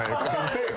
せえよ。